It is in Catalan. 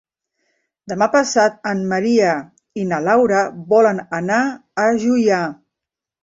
Demà passat en Maria i na Laura volen anar a Juià.